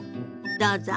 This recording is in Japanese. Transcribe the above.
どうぞ。